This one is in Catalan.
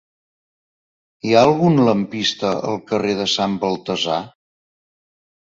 Hi ha algun lampista al carrer de Sant Baltasar?